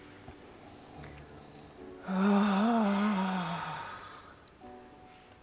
はあ。